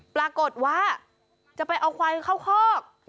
ปรากฏว่าจะไปเอาควายเข้าคอก